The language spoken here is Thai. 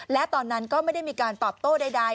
และตอนนั้นก็ไม่ได้มีการตอบโต้ใด